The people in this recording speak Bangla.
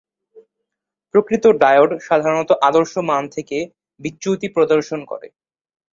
প্রকৃত ডায়োড সাধারণত আদর্শ মান থেকে বিচ্যুতি প্রদর্শন করে।